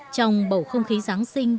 trong bầu không khí giáng sinh